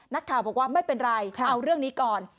นักข่าวบอกว่าไม่เป็นไรเอาเรื่องนี้ก่อน